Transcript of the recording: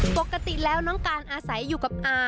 ปกติแล้วน้องการอาศัยอยู่กับอา